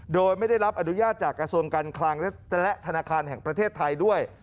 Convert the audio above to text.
โดยไม่ได้รับอนุญาตจากกระทรวงการคลังและธนาคารแห่งประเทศไทยด้วย